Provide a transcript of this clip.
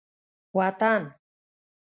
وطن